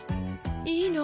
いいの？